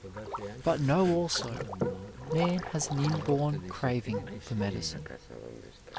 But know also, man has an inborn craving for medicine.